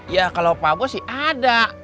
ya kalau pak bos sih ada